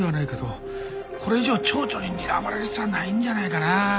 これ以上町長に睨まれる必要はないんじゃないかな。